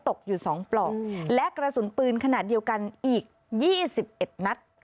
ตกอยู่๒ปลอกและกระสุนปืนขนาดเดียวกันอีก๒๑นัด